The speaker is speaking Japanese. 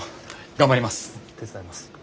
頑張ります。